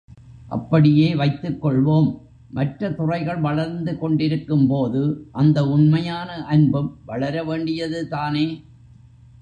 அப்படியே வைத்துக் கொள்வோம், மற்ற துறைகள் வளர்ந்து கொண்டிருக்கும்போது, அந்த உண்மையான அன்பும் வளர வேண்டியதுதானே?